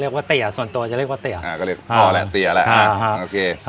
เตี๋ยส่วนตัวจะเรียกว่าเตี๋ยอ่าก็เรียกพ่อแหละเตี๋ยแหละอ่าฮะโอเค